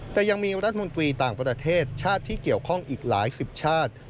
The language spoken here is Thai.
แต่ยังมีรัฐมนตรีต่างประเทศชาติที่เกี่ยวข้องอีกหลายสิบชาติ